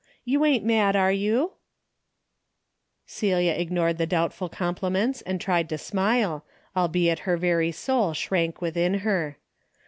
You ain't mad, are you ?" Celia ignored the doubtful compliments and tried to smile, albeit her very soul shrank within her.